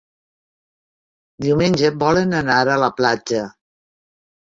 Diumenge volen anar a la platja.